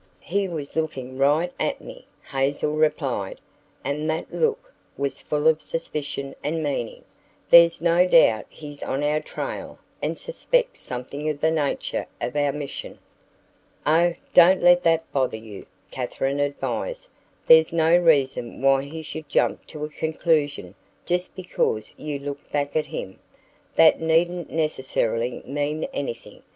"He was looking right at me," Hazel replied; "and that look was full of suspicion and meaning. There's no doubt he's on our trail and suspects something of the nature of our mission." "Oh don't let that bother you," Katherine advised. "There's no reason why he should jump to a conclusion just because you looked back at him. That needn't necessarily mean anything.